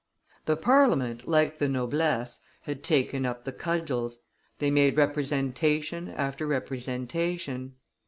The Parliament, like the noblesse, had taken up the cudgels; they made representation after representation.